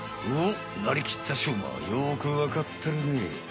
おっなりきったしょうまはよくわかってるね。